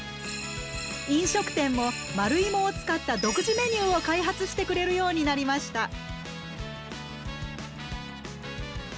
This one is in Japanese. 飲食店も丸いもを使った独自メニューを開発してくれるようになりました。